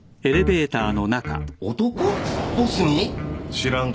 知らんか？